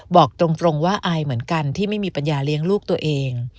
บอกตรงว่าอายเหมือนกันที่ไม่มีปัญญาเลี้ยงลูกตัวเอง